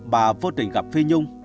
bà vô tình gặp phi nhung